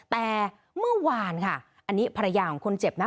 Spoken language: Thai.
แต่เมื่อวานค่ะอันนี้ภรรยาของคนเจ็บนะ